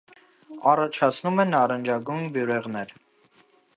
Առաջացնում է նարնջագույն բյուրեղներ։